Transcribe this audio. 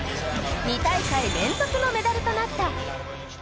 ２大会連続のメダルとなった。